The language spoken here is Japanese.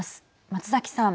松崎さん。